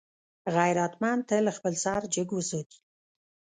غیرتمند تل خپل سر جګ وساتي